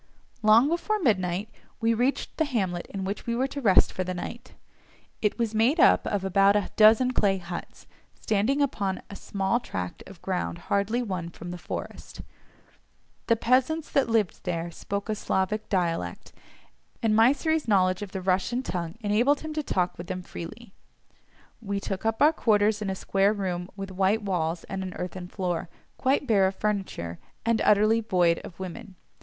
Long before midnight we reached the hamlet in which we were to rest for the night; it was made up of about a dozen clay huts, standing upon a small tract of ground hardly won from the forest. The peasants that lived there spoke a Slavonic dialect, and Mysseri's knowledge of the Russian tongue enabled him to talk with them freely. We took up our quarters in a square room with white walls and an earthen floor, quite bare of furniture, and utterly void of women.